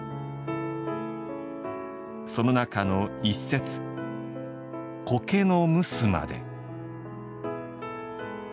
その中の一節「苔のむすまで」。